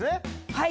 はい。